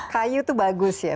kayu tuh bagus ya